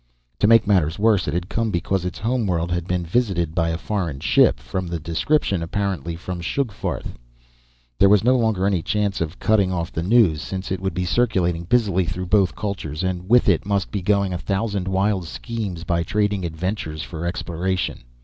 To make matters worse, it had come because its home world had been visited by a foreign ship from the description, apparently from Sugfarth; there was no longer any chance of cutting off the news, since it would be circulating busily through both cultures. And with it must be going a thousand wild schemes by trading adventurers for exploration!